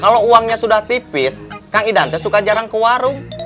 kalau uangnya sudah tipis kang ida suka jarang ke warung